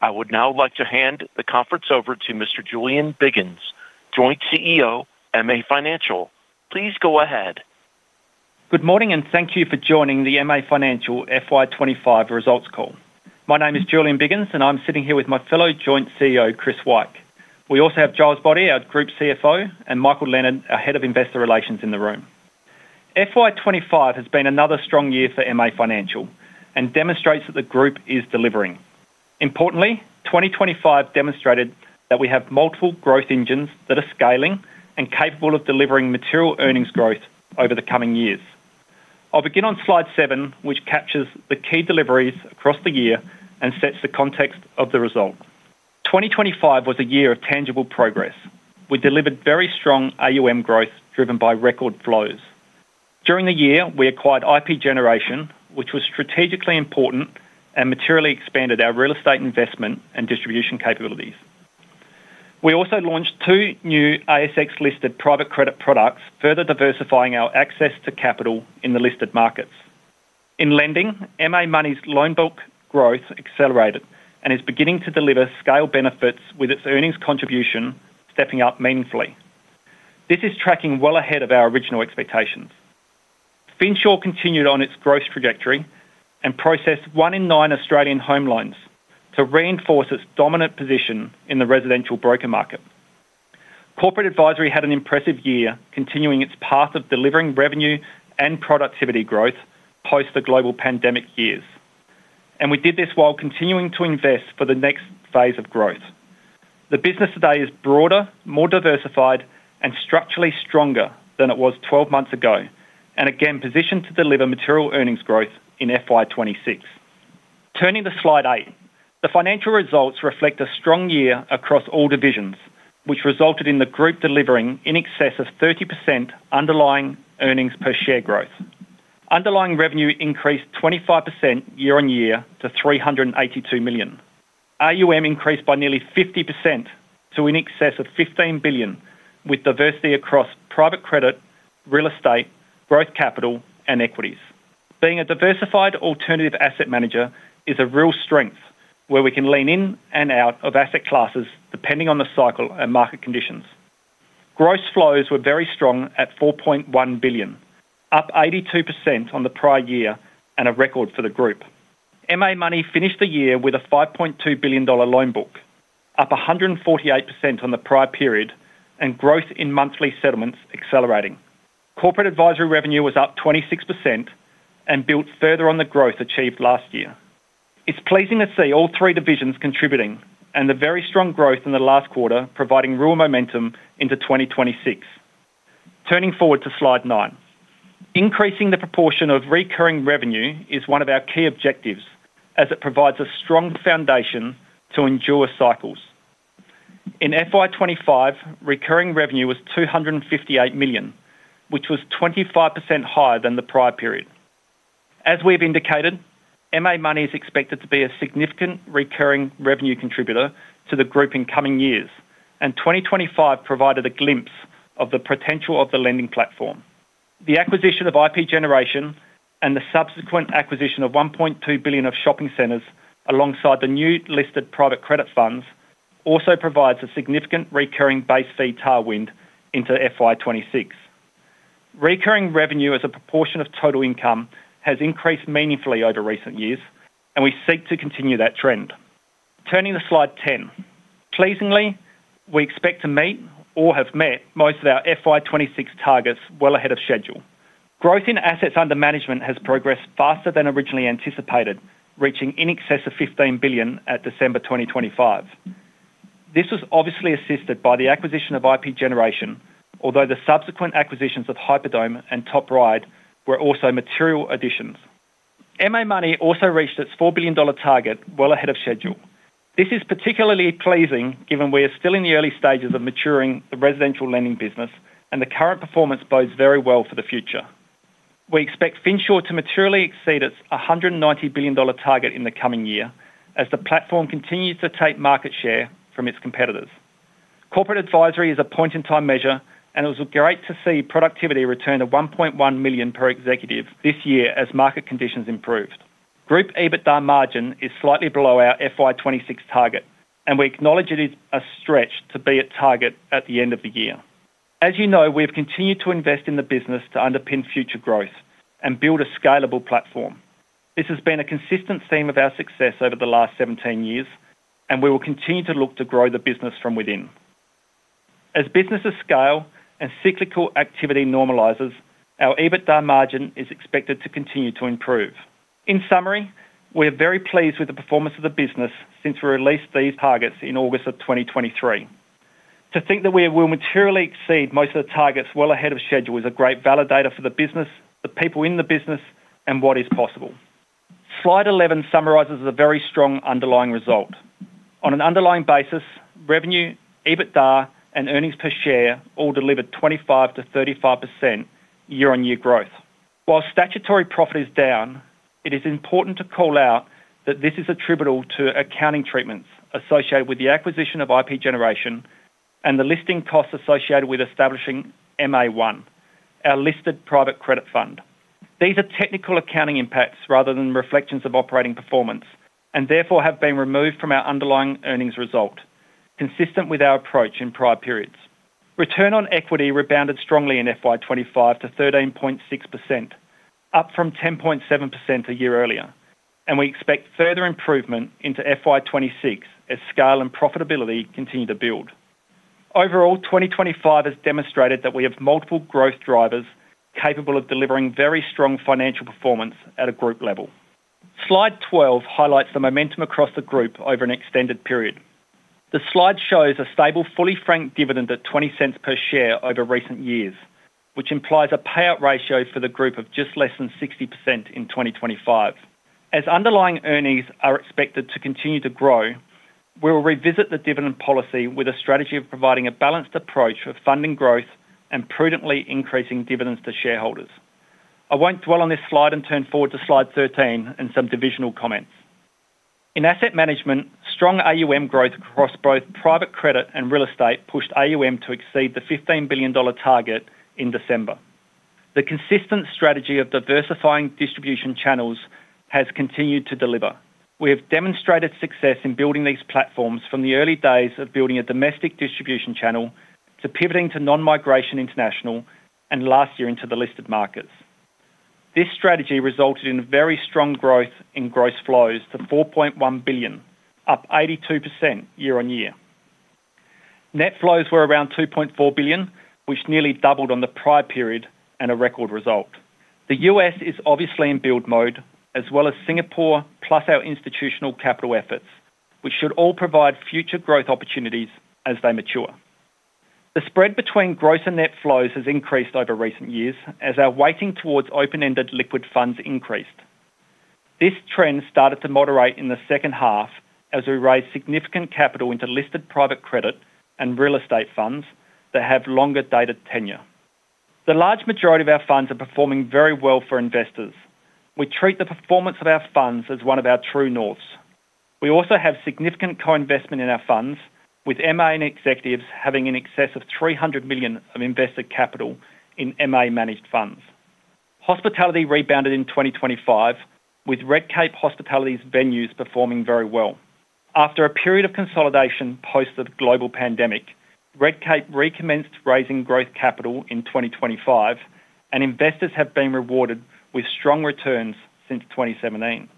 I would now like to hand the conference over to Mr. Julian Biggins, Joint CEO, MA Financial. Please go ahead. Good morning, and thank you for joining the MA Financial FY 2025 Results Call. My name is Julian Biggins, and I'm sitting here with my fellow Joint CEO, Chris Wyke. We also have Giles Boddy, our Group CFO, and Michael Leonard, our Head of Investor Relations, in the room. FY 2025 has been another strong year for MA Financial and demonstrates that the group is delivering. Importantly, 2025 demonstrated that we have multiple growth engines that are scaling and capable of delivering material earnings growth over the coming years. I'll begin on slide seven, which captures the key deliveries across the year and sets the context of the result. 2025 was a year of tangible progress. We delivered very strong AUM growth, driven by record flows. During the year, we acquired IP Generation, which was strategically important and materially expanded our real estate investment and distribution capabilities. We also launched two new ASX-listed private credit products, further diversifying our access to capital in the listed markets. In lending, MA Money's loan book growth accelerated and is beginning to deliver scale benefits, with its earnings contribution stepping up meaningfully. This is tracking well ahead of our original expectations. Finsure continued on its growth trajectory and processed one in nine Australian home loans to reinforce its dominant position in the residential broker market. Corporate Advisory had an impressive year, continuing its path of delivering revenue and productivity growth post the global pandemic years, and we did this while continuing to invest for the next phase of growth. The business today is broader, more diversified, and structurally stronger than it was 12 months ago, and again, positioned to deliver material earnings growth in FY 2026. Turning to slide eight. The financial results reflect a strong year across all divisions, which resulted in the group delivering in excess of 30% underlying earnings per share growth. Underlying revenue increased 25% year-on-year to 382 million. AUM increased by nearly 50% to in excess of 15 billion, with diversity across private credit, real estate, growth capital, and equities. Being a diversified alternative asset manager is a real strength where we can lean in and out of asset classes, depending on the cycle and market conditions. Gross flows were very strong at 4.1 billion, up 82% on the prior year and a record for the group. MA Money finished the year with a 5.2 billion dollar loan book, up 148% on the prior period, and growth in monthly settlements accelerating. Corporate Advisory revenue was up 26% and built further on the growth achieved last year. It's pleasing to see all three divisions contributing and the very strong growth in the last quarter, providing real momentum into 2026. Turning forward to slide nine. Increasing the proportion of recurring revenue is one of our key objectives, as it provides a strong foundation to endure cycles. In FY 2025, recurring revenue was 258 million, which was 25% higher than the prior period. As we've indicated, MA Money is expected to be a significant recurring revenue contributor to the group in coming years, and 2025 provided a glimpse of the potential of the lending platform. The acquisition of IP Generation and the subsequent acquisition of 1.2 billion of shopping centers, alongside the new listed private credit funds, also provides a significant recurring base fee tailwind into FY 2026. Recurring revenue as a proportion of total income has increased meaningfully over recent years, and we seek to continue that trend. Turning to slide 10. Pleasingly, we expect to meet or have met most of our FY 2026 targets well ahead of schedule. Growth in assets under management has progressed faster than originally anticipated, reaching in excess of AUD 15 billion at December 2025. This was obviously assisted by the acquisition of IP Generation, although the subsequent acquisitions of Hyperdome and Top Ryde were also material additions. MA Money also reached its 4 billion dollar target well ahead of schedule. This is particularly pleasing, given we are still in the early stages of maturing the residential lending business, and the current performance bodes very well for the future. We expect Finsure to materially exceed its AUD 190 billion target in the coming year as the platform continues to take market share from its competitors. Corporate Advisory is a point-in-time measure, and it was great to see productivity return to 1.1 million per executive this year as market conditions improved. Group EBITDA margin is slightly below our FY 2026 target, and we acknowledge it is a stretch to be at target at the end of the year. As you know, we have continued to invest in the business to underpin future growth and build a scalable platform. This has been a consistent theme of our success over the last 17 years, and we will continue to look to grow the business from within. As businesses scale and cyclical activity normalizes, our EBITDA margin is expected to continue to improve. In summary, we are very pleased with the performance of the business since we released these targets in August of 2023. To think that we will materially exceed most of the targets well ahead of schedule is a great validator for the business, the people in the business, and what is possible. Slide 11 summarizes a very strong underlying result. On an underlying basis, revenue, EBITDA, and earnings per share all delivered 25%-35% year-on-year growth. While statutory profit is down, it is important to call out that this is attributable to accounting treatments associated with the acquisition of IP Generation and the listing costs associated with establishing MA1. Our listed private credit fund. These are technical accounting impacts rather than reflections of operating performance, and therefore have been removed from our underlying earnings result, consistent with our approach in prior periods. Return on equity rebounded strongly in FY 2025 to 13.6%, up from 10.7% a year earlier, and we expect further improvement into FY 2026 as scale and profitability continue to build. Overall, 2025 has demonstrated that we have multiple growth drivers capable of delivering very strong financial performance at a group level. Slide 12 highlights the momentum across the group over an extended period. The slide shows a stable, fully franked dividend at 0.20 per share over recent years, which implies a payout ratio for the group of just less than 60% in 2025. As underlying earnings are expected to continue to grow, we will revisit the dividend policy with a strategy of providing a balanced approach of funding growth and prudently increasing dividends to shareholders. I won't dwell on this slide and turn forward to slide 13 and some divisional comments. In asset management, strong AUM growth across both private credit and real estate pushed AUM to exceed the 15 billion dollar target in December. The consistent strategy of diversifying distribution channels has continued to deliver. We have demonstrated success in building these platforms from the early days of building a domestic distribution channel, to pivoting to non-migration international, and last year into the listed markets. This strategy resulted in very strong growth in gross flows to 4.1 billion, up 82% year-on-year. Net flows were around 2.4 billion, which nearly doubled on the prior period and a record result. The U.S. is obviously in build mode, as well as Singapore, plus our institutional capital efforts, which should all provide future growth opportunities as they mature. The spread between gross and net flows has increased over recent years as our weighting towards open-ended liquid funds increased. This trend started to moderate in the second half as we raised significant capital into listed private credit and real estate funds that have longer dated tenure. The large majority of our funds are performing very well for investors. We treat the performance of our funds as one of our true north. We also have significant co-investment in our funds, with MA and executives having in excess of 300 million of invested capital in MA managed funds. Hospitality rebounded in 2025, with Redcape Hospitality's venues performing very well. After a period of consolidation post the global pandemic, Redcape recommenced raising growth capital in 2025, and investors have been rewarded with strong returns since 2017.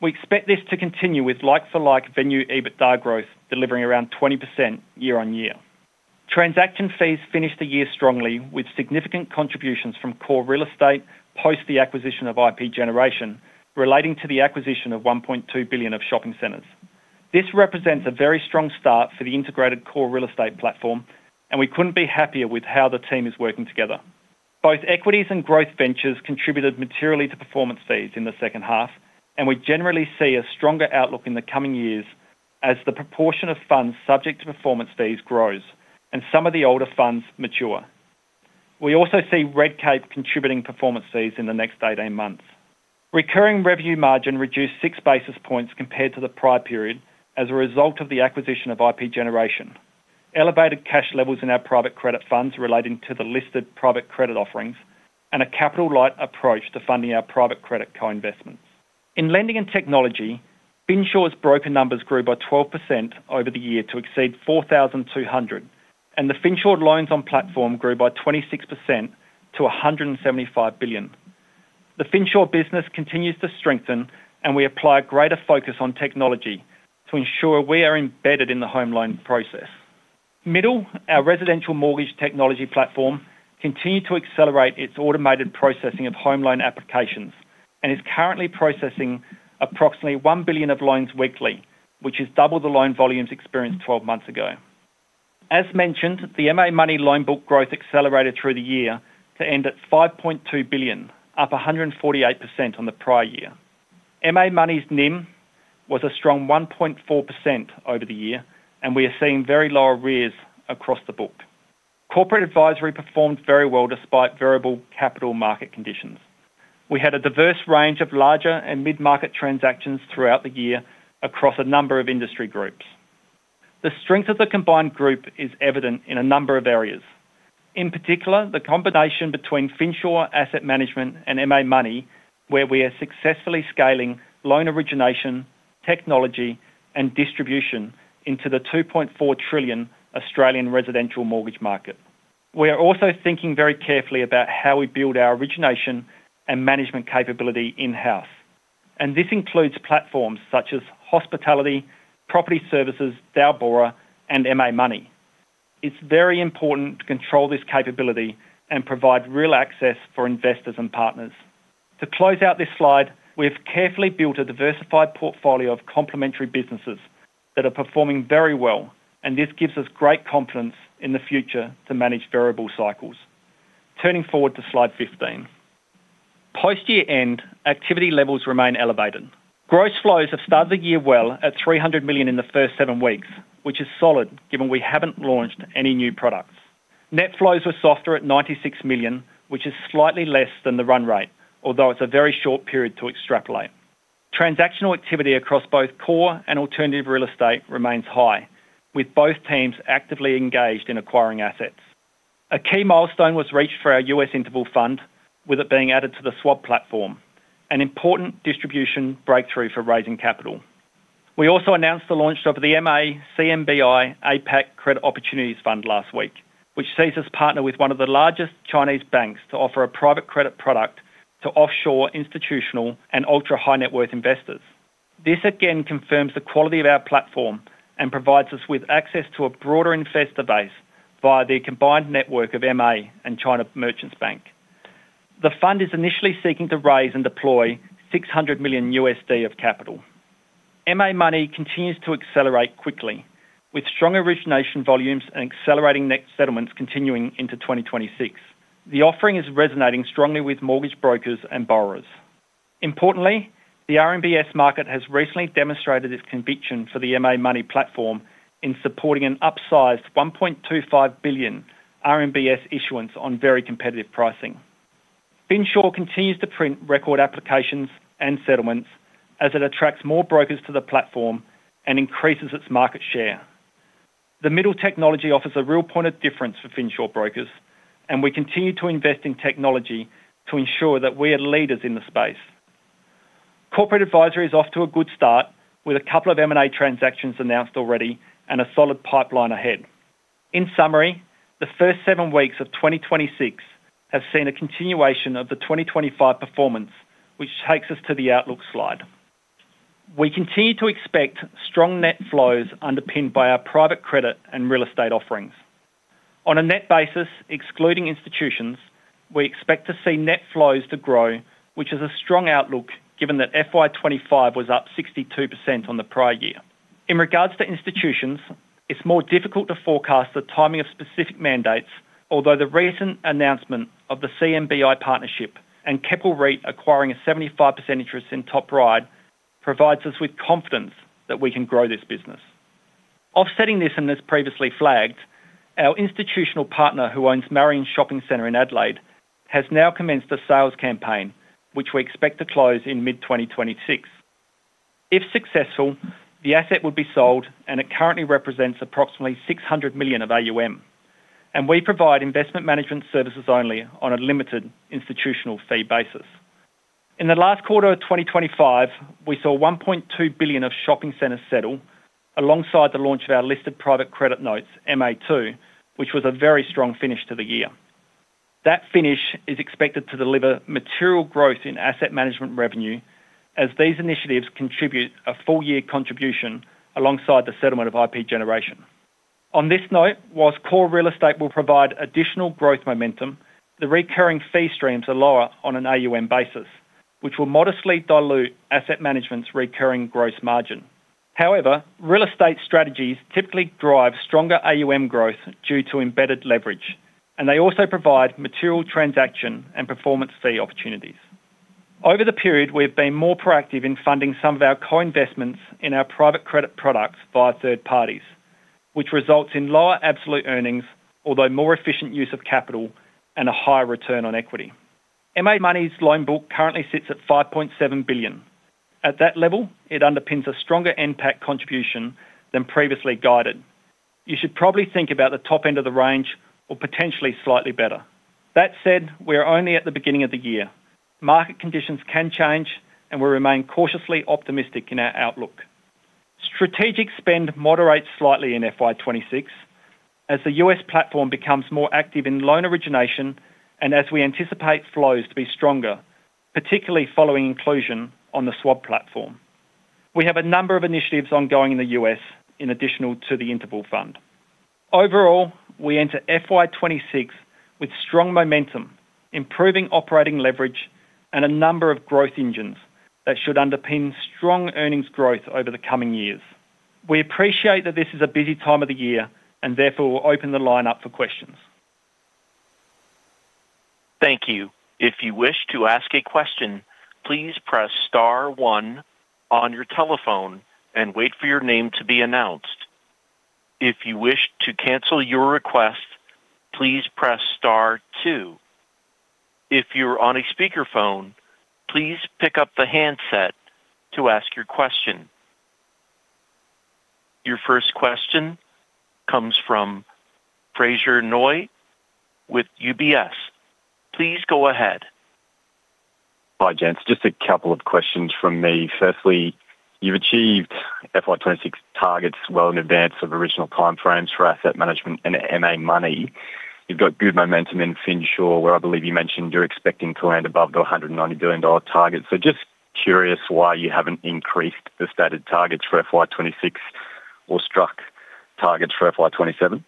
We expect this to continue with like-for-like venue EBITDA growth, delivering around 20% year-on-year. Transaction fees finished the year strongly, with significant contributions from core Real Estate post the acquisition of IP Generation, relating to the acquisition of 1.2 billion of shopping centers. This represents a very strong start for the integrated core Real Estate platform, and we couldn't be happier with how the team is working together. Both equities and growth ventures contributed materially to performance fees in the second half, and we generally see a stronger outlook in the coming years as the proportion of funds subject to performance fees grows and some of the older funds mature. We also see Redcape contributing performance fees in the next 18 months. Recurring revenue margin reduced six basis points compared to the prior period as a result of the acquisition of IP Generation. Elevated cash levels in our private credit funds relating to the listed private credit offerings, and a capital-light approach to funding our private credit co-investments. In lending and technology, Finsure's broker numbers grew by 12% over the year to exceed 4,200, and the Finsure loans on platform grew by 26% to 175 billion. The Finsure business continues to strengthen, and we apply greater focus on technology to ensure we are embedded in the home loan process. Middle, our residential mortgage technology platform, continued to accelerate its automated processing of home loan applications and is currently processing approximately 1 billion of loans weekly, which is double the loan volumes experienced 12 months ago. As mentioned, the MA Money loan book growth accelerated through the year to end at 5.2 billion, up 148% on the prior year. MA Money's NIM was a strong 1.4% over the year, and we are seeing very low arrears across the book. Corporate Advisory performed very well despite variable capital market conditions. We had a diverse range of larger and mid-market transactions throughout the year across a number of industry groups. The strength of the combined group is evident in a number of areas. In particular, the combination between Finsure, asset management and MA Money, where we are successfully scaling loan origination, technology, and distribution into the 2.4 trillion Australian residential mortgage market. We are also thinking very carefully about how we build our origination and management capability in-house, and this includes platforms such as Hospitality, Property Services, d'Albora, and MA Money. It's very important to control this capability and provide real access for investors and partners. To close out this slide, we have carefully built a diversified portfolio of complementary businesses that are performing very well, and this gives us great confidence in the future to manage variable cycles. Turning forward to slide 15. Post-year end, activity levels remain elevated. Gross flows have started the year well at 300 million in the first seven weeks, which is solid, given we haven't launched any new products. Net flows were softer at 96 million, which is slightly less than the run rate, although it's a very short period to extrapolate. Transactional activity across both core and alternative Real Estate remains high, with both teams actively engaged in acquiring assets. A key milestone was reached for our U.S. Interval Fund, with it being added to the Schwab platform, an important distribution breakthrough for raising capital. We also announced the launch of the MA CMBI APAC Credit Opportunities Fund last week, which sees us partner with one of the largest Chinese banks to offer a private credit product to offshore institutional and ultra-high net worth investors. This again confirms the quality of our platform and provides us with access to a broader investor base via the combined network of MA and China Merchants Bank. The fund is initially seeking to raise and deploy $600 million of capital. MA Money continues to accelerate quickly, with strong origination volumes and accelerating net settlements continuing into 2026. The offering is resonating strongly with mortgage brokers and borrowers. Importantly, the RMBS market has recently demonstrated its conviction for the MA Money platform in supporting an upsized 1.25 billion RMBS issuance on very competitive pricing. Finsure continues to print record applications and settlements as it attracts more brokers to the platform and increases its market share. The Middle technology offers a real point of difference for Finsure brokers, and we continue to invest in technology to ensure that we are leaders in the space. Corporate Advisory is off to a good start, with a couple of M&A transactions announced already and a solid pipeline ahead. In summary, the first seven weeks of 2026 have seen a continuation of the 2025 performance, which takes us to the outlook slide. We continue to expect strong net flows underpinned by our private credit and real estate offerings. On a net basis, excluding institutions, we expect to see net flows to grow, which is a strong outlook given that FY 2025 was up 62% on the prior year. In regards to institutions, it's more difficult to forecast the timing of specific mandates, although the recent announcement of the CMBI partnership and Keppel REIT acquiring a 75% interest in Top Ryde provides us with confidence that we can grow this business. Offsetting this, and as previously flagged, our institutional partner, who owns Marion Shopping Centre in Adelaide, has now commenced a sales campaign, which we expect to close in mid-2026. If successful, the asset would be sold, and it currently represents approximately 600 million of AUM, and we provide investment management services only on a limited institutional fee basis. In the last quarter of 2025, we saw 1.2 billion of shopping centers settle alongside the launch of our listed private credit notes, MA2, which was a very strong finish to the year. That finish is expected to deliver material growth in asset management revenue as these initiatives contribute a full year contribution alongside the settlement of IP Generation. On this note, while core Real Estate will provide additional growth momentum, the recurring fee streams are lower on an AUM basis, which will modestly dilute asset management's recurring gross margin. However, real estate strategies typically drive stronger AUM growth due to embedded leverage, and they also provide material transaction and performance fee opportunities. Over the period, we've been more proactive in funding some of our co-investments in our private credit products via third parties, which results in lower absolute earnings, although more efficient use of capital and a higher return on equity. MA Money's loan book currently sits at 5.7 billion. At that level, it underpins a stronger NPAT contribution than previously guided. You should probably think about the top end of the range or potentially slightly better. That said, we are only at the beginning of the year. Market conditions can change, and we remain cautiously optimistic in our outlook. Strategic spend moderates slightly in FY 2026 as the U.S. platform becomes more active in loan origination and as we anticipate flows to be stronger, particularly following inclusion on the Schwab platform. We have a number of initiatives ongoing in the U.S. in addition to the Interval Fund. Overall, we enter FY 2026 with strong momentum, improving operating leverage, and a number of growth engines that should underpin strong earnings growth over the coming years. We appreciate that this is a busy time of the year and therefore will open the line up for questions. Thank you. If you wish to ask a question, please press star one on your telephone and wait for your name to be announced. If you wish to cancel your request, please press star two. If you're on a speakerphone, please pick up the handset to ask your question. Your first question comes from Fraser Noye with UBS. Please go ahead. Hi, gents. Just a couple of questions from me. Firstly, you've achieved FY 2026 targets well in advance of original time frames for asset management and MA Money. You've got good momentum in Finsure, where I believe you mentioned you're expecting to land above the 190 billion dollar target. So just curious why you haven't increased the stated targets for FY 2026 or struck targets for FY 2027.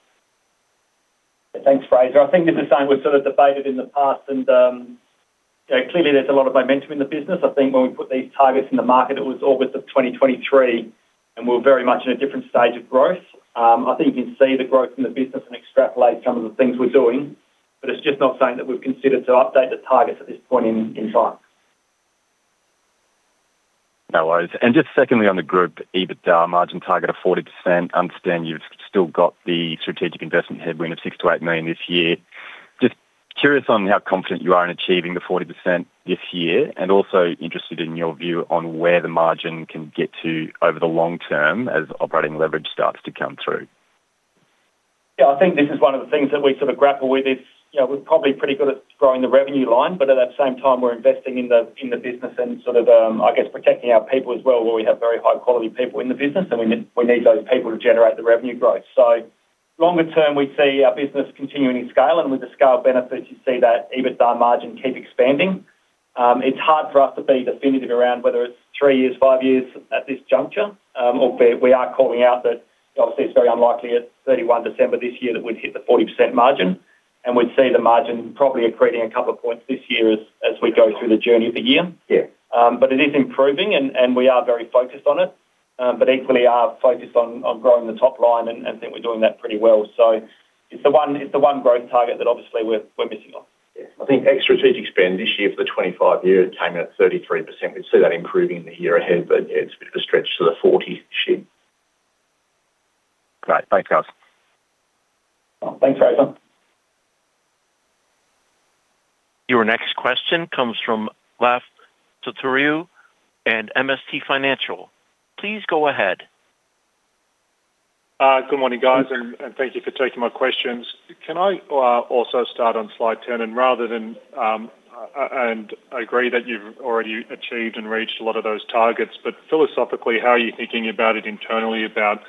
Thanks, Fraser. I think this is something we've sort of debated in the past, and clearly there's a lot of momentum in the business. I think when we put these targets in the market, it was August of 2023, and we're very much in a different stage of growth. I think you can see the growth in the business and extrapolate some of the things we're doing, but it's just not something that we've considered to update the targets at this point in time. No worries. And just secondly, on the group, EBITDA margin target of 40%, understand you've still got the strategic investment headwind of 6 million-8 million this year. Just curious on how confident you are in achieving the 40% this year, and also interested in your view on where the margin can get to over the long term as operating leverage starts to come through. Yeah, I think this is one of the things that we sort of grapple with is, you know, we're probably pretty good at growing the revenue line, but at that same time, we're investing in the, in the business and sort of, I guess, protecting our people as well, where we have very high-quality people in the business, and we need, we need those people to generate the revenue growth. So longer term, we see our business continuing to scale, and with the scale of benefits, you see that EBITDA margin keep expanding. It's hard for us to be definitive around whether it's three years, five years at this juncture. Albeit we are calling out that, obviously, it's very unlikely at 31 December this year that we'd hit the 40% margin, and we'd see the margin probably accreting a couple of points this year as we go through the journey of the year. Yeah. But it is improving, and we are very focused on it, but equally are focused on growing the top line, and think we're doing that pretty well. So it's the one, it's the one growth target that obviously we're missing on. Yeah. I think ex-strategic spend this year for the 2025 year, it came out 33%. We see that improving in the year ahead, but it's a bit of a stretch to the 40% this year. Great. Thanks, guys. Thanks, Fraser. Your next question comes from Laf Sotiriou and MST Financial. Please go ahead. Good morning, guys, and thank you for taking my questions. Can I also start on slide 10, and rather than, and I agree that you've already achieved and reached a lot of those targets, but philosophically, how are you thinking about it internally, about,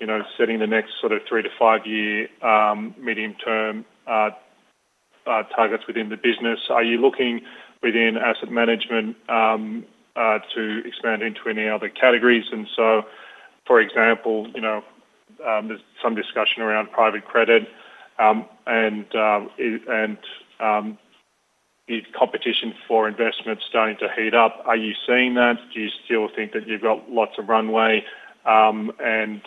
you know, setting the next sort of three to five year medium-term targets within the business? Are you looking within asset management to expand into any other categories? And so, for example, you know, there's some discussion around private credit, and is competition for investment starting to heat up. Are you seeing that? Do you still think that you've got lots of runway? And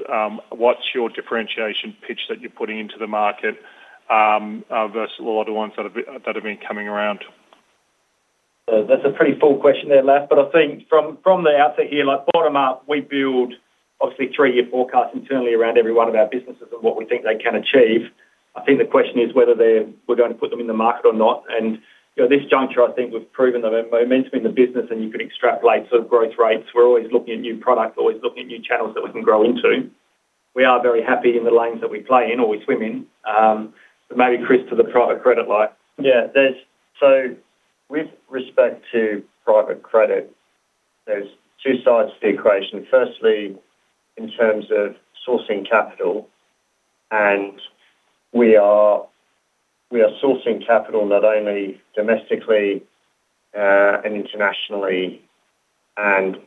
what's your differentiation pitch that you're putting into the market versus a lot of the ones that have been coming around? So that's a pretty full question there, Laf, but I think from the outset here, like bottom up, we build obviously three-year forecasts internally around every one of our businesses and what we think they can achieve. I think the question is whether we're going to put them in the market or not, and, you know, at this juncture, I think we've proven the momentum in the business, and you can extrapolate sort of growth rates. We're always looking at new products, always looking at new channels that we can grow into. We are very happy in the lanes that we play in or we swim in. But maybe Chris, to the private credit line. Yeah, so with respect to private credit, there's two sides to the equation. Firstly, in terms of sourcing capital, and we are, we are sourcing capital not only domestically and internationally, and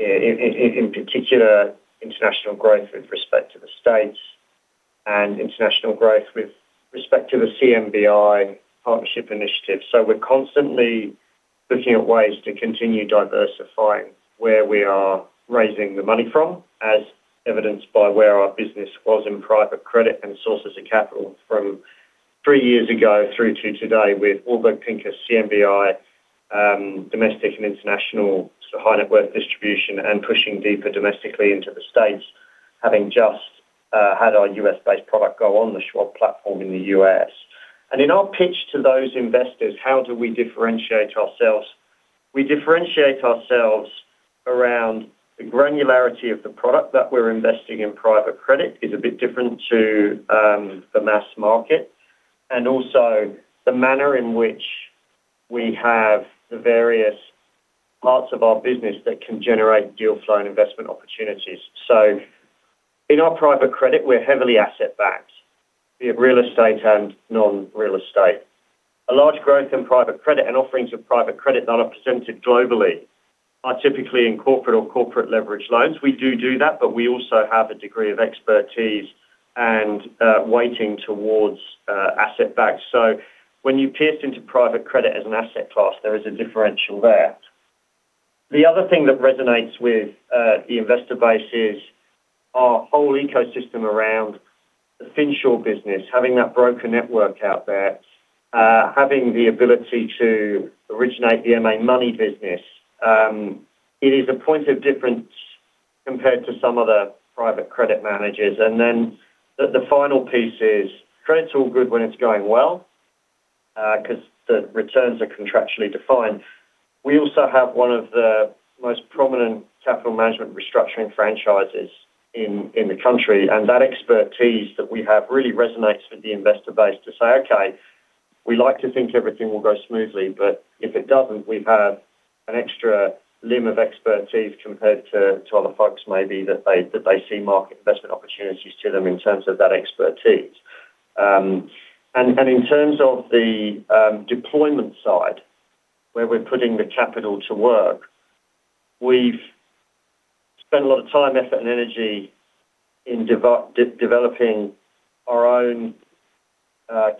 in particular, international growth with respect to the States and international growth with respect to the CMBI partnership initiative. So we're constantly looking at ways to continue diversifying where we are raising the money from, as evidenced by where our business was in private credit and sources of capital from three years ago through to today with Warburg Pincus, CMBI, domestic and international, so high-net-worth distribution and pushing deeper domestically into the States, having just had our U.S.-based product go on the Schwab platform in the U.S. And in our pitch to those investors, how do we differentiate ourselves? We differentiate ourselves around the granularity of the product that we're investing in private credit. It's a bit different to the mass market and also the manner in which we have the various parts of our business that can generate deal flow and investment opportunities. So in our private credit, we're heavily asset-backed. We have real estate and non-real estate. A large growth in private credit and offerings of private credit that are presented globally are typically in corporate or corporate leverage loans. We do do that, but we also have a degree of expertise and weighting towards asset-backed. So when you pierce into private credit as an asset class, there is a differential there. The other thing that resonates with the investor base is our whole ecosystem around the Finsure business, having that broker network out there, having the ability to originate the MA Money business. It is a point of difference compared to some other private credit managers. Then the final piece is, credit's all good when it's going well, 'cause the returns are contractually defined. We also have one of the most prominent capital management restructuring franchises in the country, and that expertise that we have really resonates with the investor base to say, "Okay, we like to think everything will go smoothly, but if it doesn't, we've had an extra limb of expertise compared to other folks maybe that they see market investment opportunities to them in terms of that expertise." And in terms of the deployment side, where we're putting the capital to work, we've spent a lot of time, effort, and energy in developing our own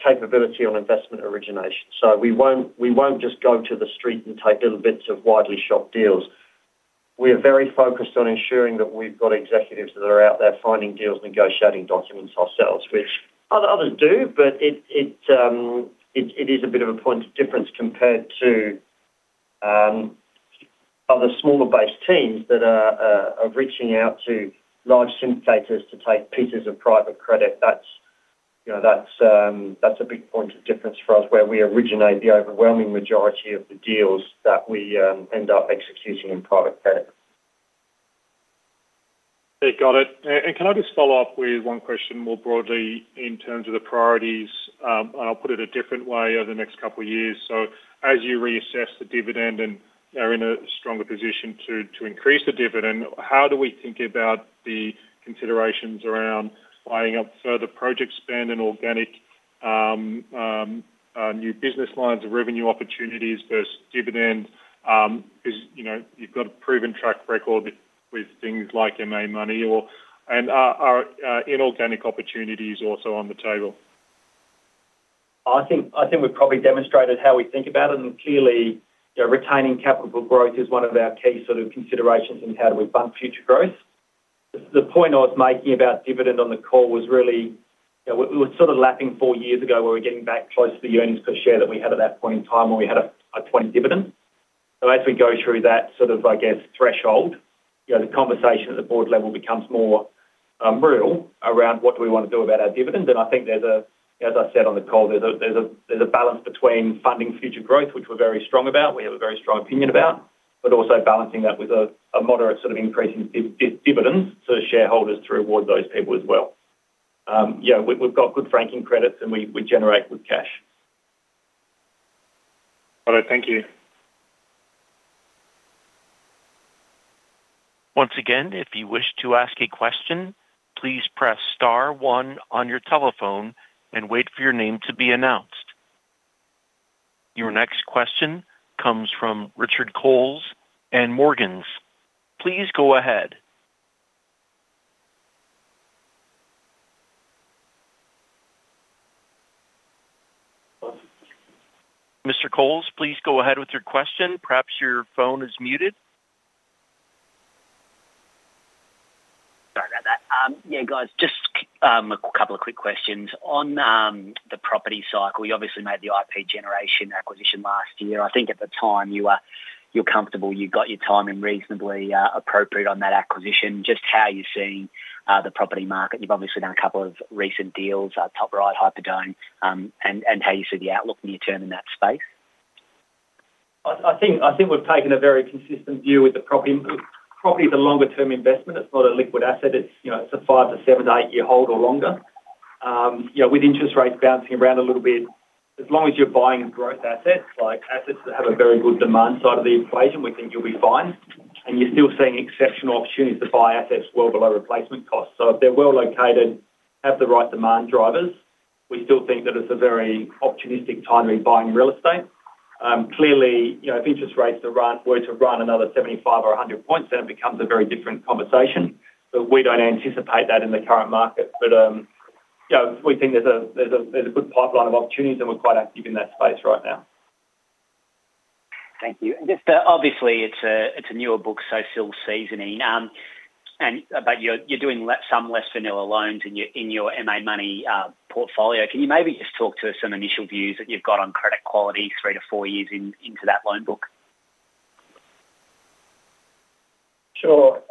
capability on investment origination. So we won't, we won't just go to the street and take little bits of widely shopped deals. We are very focused on ensuring that we've got executives that are out there finding deals, negotiating documents ourselves, which others do, but it is a bit of a point of difference compared to other smaller based teams that are reaching out to large syndicators to take pieces of private credit. That's, you know, that's a big point of difference for us, where we originate the overwhelming majority of the deals that we end up executing in private credit. Hey, got it. And can I just follow up with one question more broadly in terms of the priorities? And I'll put it a different way over the next couple of years. So as you reassess the dividend and are in a stronger position to increase the dividend, how do we think about the considerations around winding up further project spend and organic new business lines or revenue opportunities versus dividend? Because, you know, you've got a proven track record with things like MA Money or inorganic opportunities also on the table? I think, I think we've probably demonstrated how we think about it, and clearly, you know, retaining capital growth is one of our key sort of considerations in how do we fund future growth. The point I was making about dividend on the call was really, you know, we, we were sort of lapping four years ago, where we're getting back close to the earnings per share that we had at that point in time when we had a 20 dividend. As we go through that sort of, I guess, threshold, you know, the conversation at the board level becomes more, you know, real around what do we want to do about our dividend. I think there's a, as I said on the call, there's a, there's a, there's a balance between funding future growth, which we're very strong about. We have a very strong opinion about, but also balancing that with a moderate sort of increase in dividends to shareholders to reward those people as well. Yeah, we've got good franking credits, and we generate good cash. All right, thank you. Once again, if you wish to ask a question, please press star one on your telephone and wait for your name to be announced. Your next question comes from Richard Coles and Morgans. Please go ahead. Mr. Coles, please go ahead with your question. Perhaps your phone is muted. Sorry about that. Yeah, guys, just a couple of quick questions. On the property cycle, you obviously made the IP Generation acquisition last year. I think at the time, you were, you're comfortable, you got your timing reasonably appropriate on that acquisition. Just how are you seeing the property market? You've obviously done a couple of recent deals, Top Ryde, Hyperdome, and how you see the outlook near-term in that space. I think we've taken a very consistent view with the property. Property is a longer-term investment. It's not a liquid asset. It's, you know, it's a five to seven to eight-year hold or longer. You know, with interest rates bouncing around a little bit, as long as you're buying growth assets, like assets that have a very good demand side of the equation, we think you'll be fine. And you're still seeing exceptional opportunities to buy assets well below replacement costs. So if they're well located, have the right demand drivers, we still think that it's a very opportunistic time in buying real estate. Clearly, you know, if interest rates were to run another 75 or 100 points, then it becomes a very different conversation. But we don't anticipate that in the current market. But, you know, we think there's a good pipeline of opportunities, and we're quite active in that space right now. Thank you. Just, obviously, it's a newer book, so still seasoning. But you're doing like some less vanilla loans in your MA Money portfolio. Can you maybe just talk to us some initial views that you've got on credit quality three to four years in, into that loan book? Sure.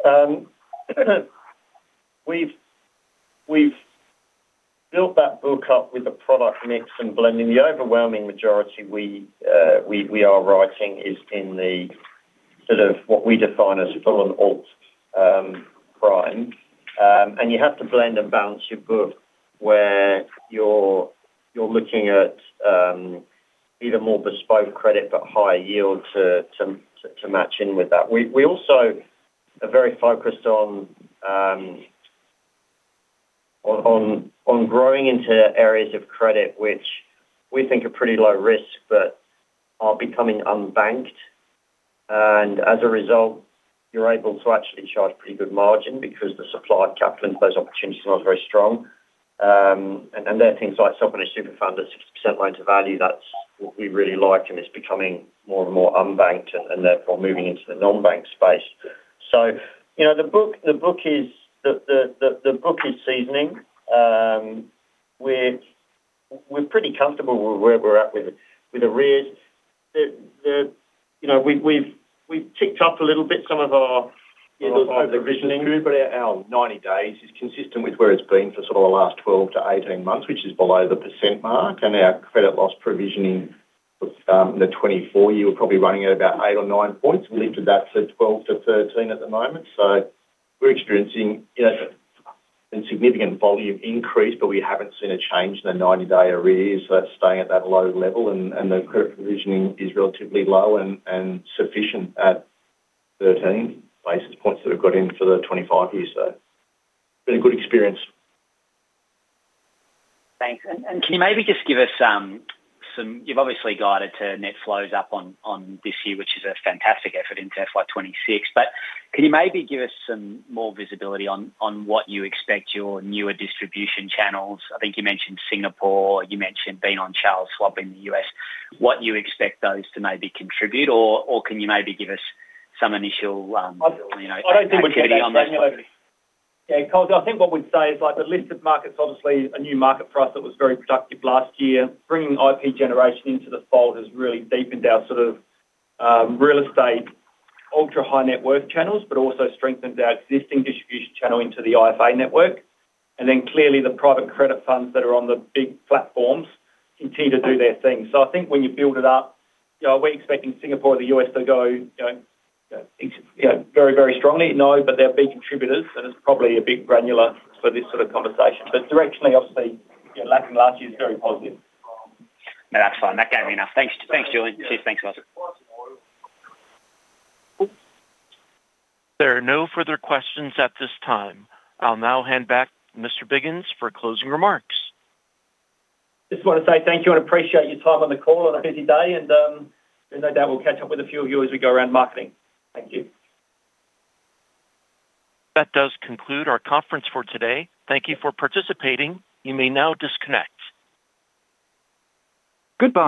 We've built that book up with a product mix and blend. In the overwhelming majority, we are writing is in the sort of what we define as full on alt prime. And you have to blend and balance your book where you're looking at either more bespoke credit, but higher yield to match in with that. We also are very focused on growing into areas of credit, which we think are pretty low risk, but are becoming unbanked. And as a result, you're able to actually charge a pretty good margin because the supply of capital into those opportunities is not very strong. And they're things like self-managed super fund at 60% loan to value. That's what we really like, and it's becoming more and more unbanked and, and therefore, moving into the non-bank space. So, you know, the book is seasoning. We're pretty comfortable with where we're at with the arrears. You know, we've ticked up a little bit, some of our provisioning, but our 90 days is consistent with where it's been for sort of the last 12–18 months, which is below the 1% mark, and our credit loss provisioning was, in the 2024 year, we're probably running at about eight or nine points. We lifted that to 12–13 at the moment. So we're experiencing, you know, insignificant volume increase, but we haven't seen a change in the 90-day arrears. So that's staying at that low level, and the credit provisioning is relatively low and sufficient at 13 basis points that have got in for the 25 years. So been a good experience. Thanks. And can you maybe just give us some—you’ve obviously guided to net flows up on this year, which is a fantastic effort into FY 2026, but can you maybe give us some more visibility on what you expect your newer distribution channels? I think you mentioned Singapore, you mentioned being on Charles Schwab in the U.S. What you expect those to maybe contribute, or can you maybe give us some initial, you know- I don't think we should be on that. Yeah, Coles, I think what we'd say is, like, the listed market is obviously a new market for us that was very productive last year. Bringing IP Generation into the fold has really deepened our sort of real estate, ultra-high net worth channels, but also strengthened our existing distribution channel into the IFA network. And then clearly, the private credit funds that are on the big platforms continue to do their thing. So I think when you build it up, you know, are we expecting Singapore or the U.S. to go, you know, ex—you know, very, very strongly? No, but they're big contributors, and it's probably a bit granular for this sort of conversation. But directionally, obviously, you know, last and last year is very positive. No, that's fine. That gave me enough. Thanks, thanks, Julian. Thanks a lot. There are no further questions at this time. I'll now hand back to Mr. Biggins for closing remarks. Just want to say thank you and appreciate your time on the call on a busy day, and, no doubt we'll catch up with a few of you as we go around marketing. Thank you. That does conclude our conference for today. Thank you for participating. You may now disconnect. Goodbye.